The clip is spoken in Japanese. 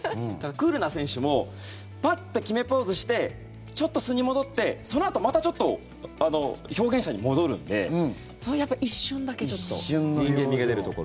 クールな選手もパッと決めポーズしてちょっと素に戻ってそのあと、またちょっと表現者に戻るので、その一瞬だけ人間味が出るところ。